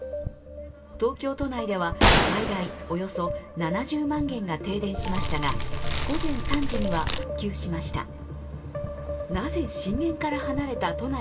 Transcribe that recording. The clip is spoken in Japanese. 東京都内では最大およそ７０万軒が停電しましたが午前３時には復旧しました。